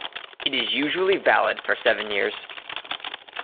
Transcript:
It is usually valid for seven years.